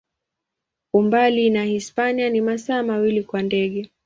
Umbali na Hispania ni masaa mawili kwa ndege.